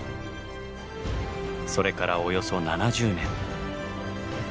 それからおよそ７０年。